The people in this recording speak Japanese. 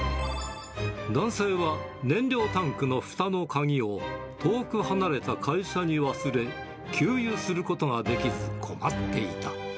男性は燃料タンクのふたの鍵を遠く離れた会社に忘れ、給油することができず、困っていた。